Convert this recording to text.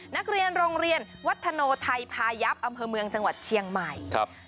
นักเรียนโรงเรียนวัฒโนไทยพายับอำเภอเมืองจังหวัดเชียงใหม่ครับ